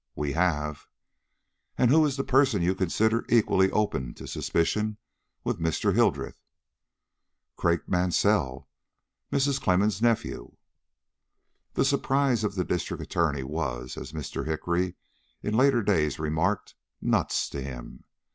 "We have." "And who is the person you consider equally open to suspicion with Mr. Hildreth?" "Craik Mansell, Mrs. Clemmens' nephew." The surprise of the District Attorney was, as Mr. Hickory in later days remarked, nuts to him.